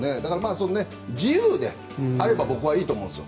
自由であれば僕はいいと思うんですよ。